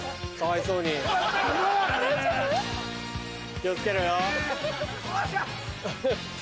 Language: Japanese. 気を付けろよ。